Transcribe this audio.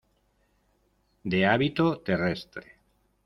De hábito terrestre.